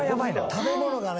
食べ物がね